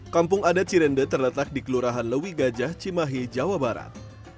kampung adat cirende terletak di kelurahan lewi gajah cimahi jawa barat